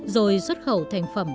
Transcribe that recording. rồi xuất khẩu thành phẩm